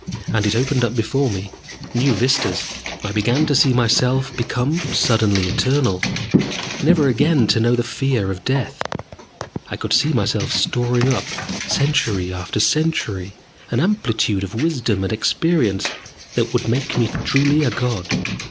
And it opened up before me new vistas. I began to see myself become suddenly eternal, never again to know the fear of death. I could see myself storing up, century after century, an amplitude of wisdom and experience that would make me truly a god.